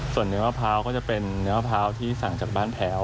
ส่วนเนื้อมะพร้าวก็จะเป็นเนื้อมะพร้าวที่สั่งจากบ้านแพ้ว